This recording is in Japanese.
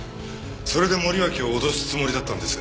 それで森脇を脅すつもりだったんです。